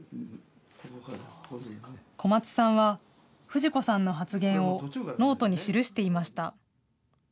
小松さんは、藤子さんの発言をノートに記していました。